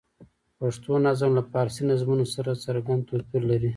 پښتو نظم له فارسي نظمونو سره څرګند توپیر لري.